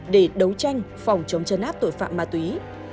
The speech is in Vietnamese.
để đấu tranh phòng chống chấn áp tội phạm ma túy